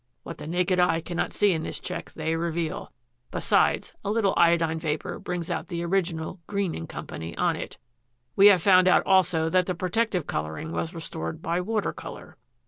What the naked eye cannot see in this check they reveal. Besides, a little iodine vapor brings out the original 'Green & Co.' on it. "We have found out also that the protective coloring was restored by water color.